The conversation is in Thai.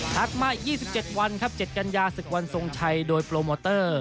ถัดมา๒๗วันครับเจ็ดกัญญา๑๐วันโทรภัยโดยโปรโมเตอร์